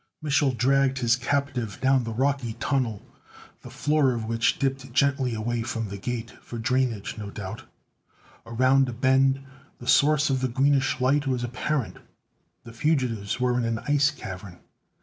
Mich'l dragged his captive down the rocky tunnel, the floor of which dipped gently away from the Gate; for drainage, no doubt. Around a bend, the source of the greenish light was apparent. The fugitives were in an ice cavern.